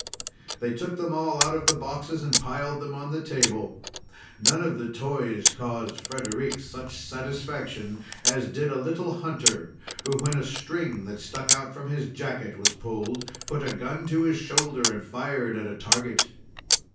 They took them all out of the boxes, and piled them on the table. None of the toys caused Frederic such satisfaction as did a little hunter who, when a string that stuck out from his jacket was pulled, put a gun to his shoulder, and fired at a target.